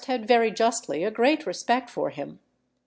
had very justly a great respect for him.